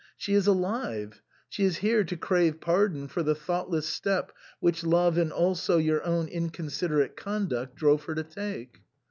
She is alive ; she is here to crave pardon for the thoughtless step which love and also your own inconsiderate conduct drove her to take."